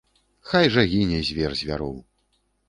Хай жа гіне звер звяроў!